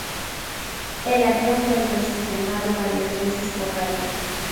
El avión fue entonces llamado varias veces por radio.